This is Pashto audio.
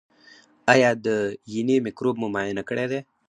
ایا د ینې مکروب مو معاینه کړی دی؟